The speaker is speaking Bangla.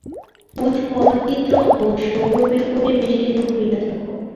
পুষ্প, চিত্র ও সৌরভে পরিবেষ্টিত হইয়া থাক।